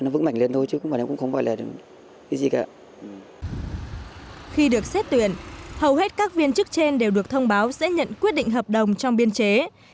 sau một năm tập sự được xét và được thông báo sẽ nhận quyết định hợp đồng trong biên chế